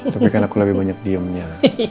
tapi kan aku lebih banyak diemnya